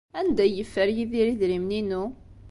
Anda ay yeffer Yidir idrimen-inu?